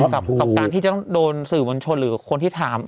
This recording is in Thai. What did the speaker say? กับการที่จะต้องโดนสื่อมวลชนหรือคนที่ถาม